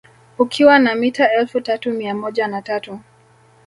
Ukiwa na mita elfu tatu mia moja na tatu